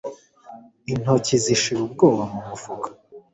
intoki zishira ubwoba mumufuka